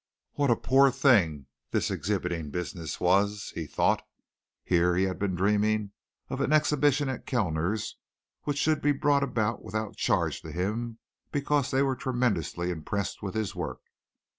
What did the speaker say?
What a poor thing this exhibiting business was, he thought. Here he had been dreaming of an exhibition at Kellners which should be brought about without charge to him because they were tremendously impressed with his work.